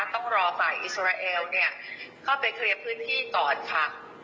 ต้องรอฝ่ายอิสราเอลเข้าไปเคลียร์พื้นที่ก่อนค่ะ